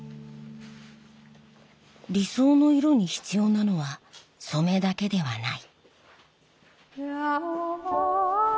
理想の色に必要なのは染めだけではない。